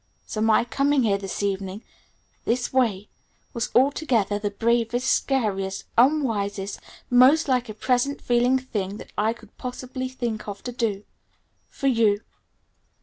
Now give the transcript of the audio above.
So my coming here this evening this way was altogether the bravest, scariest, unwisest, most like a present feeling thing that I could possibly think of to do for you.